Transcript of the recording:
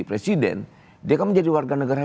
presiden dia kan menjadi warga negara